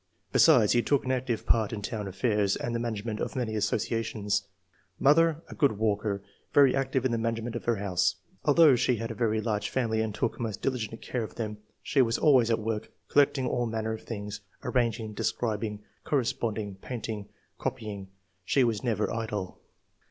Besides, he took an active part in town affairs and the management of many asso ciations. Mother — A good walker, very active in the management of her house. Although she had a very large family, and took most diligent care of them, she was always at work, collecting all manner of things, arranging, describing, cor responding," painting, copying; she was never idle."